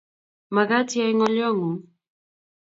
Magaat iyai ngolyongung